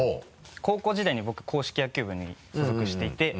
高校時代に僕硬式野球部に所属していて。